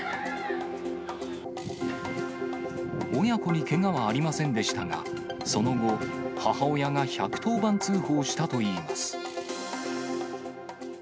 親子にけがはありませんでしたが、その後、母親が１１０番通報したといいます。